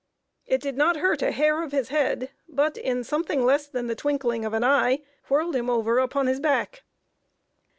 It did not hurt a hair of his head, but, in something less than a twinkling of an eye, whirled him over upon his back!